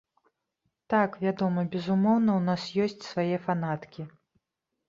Так, вядома, безумоўна ў нас ёсць свае фанаткі.